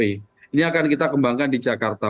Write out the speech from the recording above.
ini akan kita kembangkan di jakarta